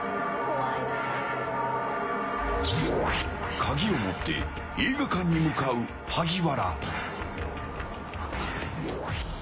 カギを持って映画館に向かう萩原。